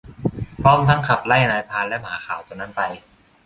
พร้อมทั้งขับไล่นายพรานและหมาขาวตัวนั้นไป